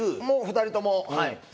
もう２人ともはい。